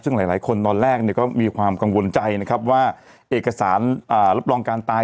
ซึ่งหลายคนตอนแรกเนี่ยก็มีความกังวลใจนะครับว่าเอกสารรับรองการตาย